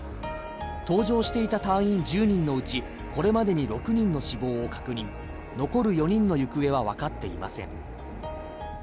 搭乗していた隊員１０人のうち、これまでに６人の死亡を確認、残る４人の行方は分かっていません。